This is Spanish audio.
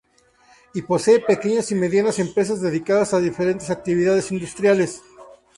Y posee pequeñas y medianas empresas dedicadas a diferentes actividades industriales.